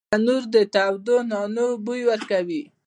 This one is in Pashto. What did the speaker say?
تنور د تودو نانو بوی ورکوي